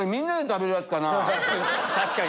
確かに！